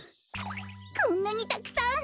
こんなにたくさん！